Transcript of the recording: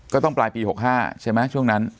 ก็ต้องปลายปี๖๕ใช่ไหมช่วงนั้น